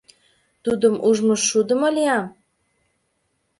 Тудым ужмышудымо лиям?